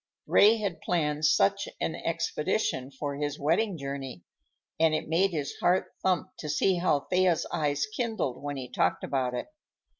Ray had planned such an expedition for his wedding journey, and it made his heart thump to see how Thea's eyes kindled when he talked about it.